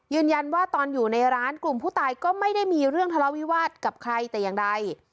ยืนยันว่าตอนอยู่ในร้านกลุ่มผู้ตายก็ไม่ได้มีเรื่องทะเลาวิวาสกับใครแต่อย่างใด